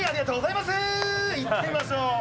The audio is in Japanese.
いってみましょう。